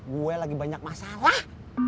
gue lagi banyak masalah